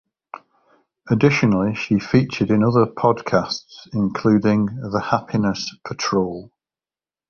Additionally, she featured in other podcasts including "The Happiness Patrol".